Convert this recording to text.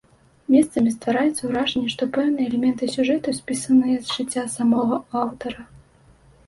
Месцамі ствараецца ўражанне, што пэўныя элементы сюжэту спісаныя з жыцця самога аўтара.